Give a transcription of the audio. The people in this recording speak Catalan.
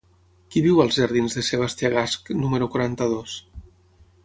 Qui viu als jardins de Sebastià Gasch número quaranta-dos?